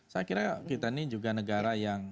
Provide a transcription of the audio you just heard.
saya kira kita ini juga negara yang